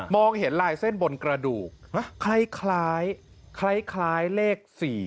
มองเห็นลายเส้นบนกระดูกคล้ายคล้ายเลข๔๘๙